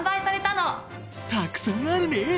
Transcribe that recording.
たくさんあるね！